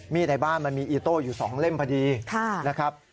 ในบ้านมันมีอีโต้อยู่๒เล่มพอดีนะครับ